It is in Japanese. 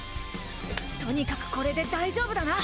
とにかくこれで大丈夫だな。